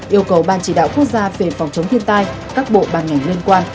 yêu cầu ban chỉ đạo quốc gia về phòng chống thiên tai các bộ ban ngành liên quan